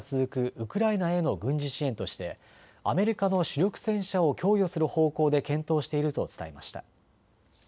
ウクライナへの軍事支援としてアメリカの主力戦車を供与する方向で検討していると伝えました。